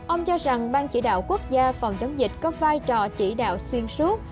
ông cho rằng ban chỉ đạo quốc gia phòng chống dịch có vai trò chỉ đạo xuyên suốt